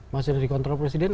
masih ada di kontrol presiden